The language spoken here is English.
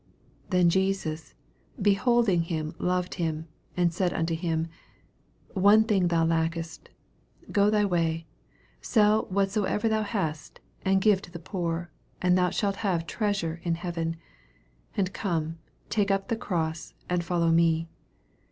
21 Then Jesus beholding him loved trim, and said unto him, One thing thou lackest : go thy way, sell what soever thou hast, and give to the poor, and thou shalt have treasure in Leaven : and come, take up the cross, and follow me.